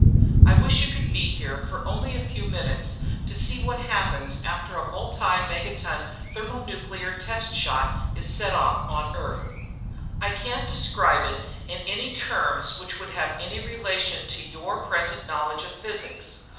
I wish you could be here for only a few minutes to see what happens after a multi megaton thermonuclear test shot is set off on Earth. I can't describe it in terms which would have any relation to your present knowledge of physics.